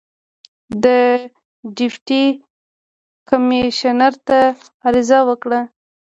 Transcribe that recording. د ډیپټي کمیشنر ته عریضه وکړه.